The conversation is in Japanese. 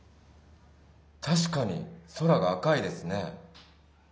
たしかに空が赤いですねぇ。